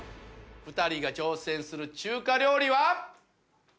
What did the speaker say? ２人が挑戦する中華料理は。